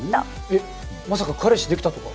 えっまさか彼氏できたとか？